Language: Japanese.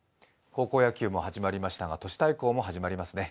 高校野球も始まりましたが都市対抗も始まりますね。